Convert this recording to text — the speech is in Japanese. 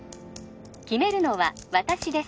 決めるのは私です